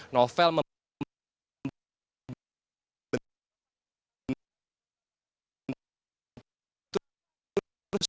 novel membuat penyiraman yang berbeda